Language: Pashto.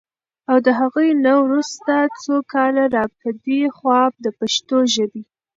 او د هغوی نه وروسته څو کاله را پدې خوا د پښتو ژبې